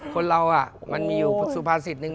คนเรามันมีอยู่สุภาษิตนึง